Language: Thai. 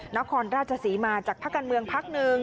ณโครนราชสีมาจากภาคกันเมืองภาคหนึ่ง